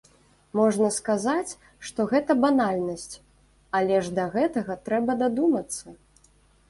Можна сказаць, што гэта банальнасць, але ж да гэтага трэба дадумацца!